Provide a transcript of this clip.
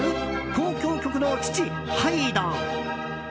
交響曲の父ハイドン。